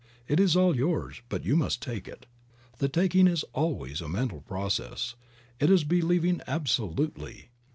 All is yours, but you must take it. The taking is always a mental process ; it is believing absolutely.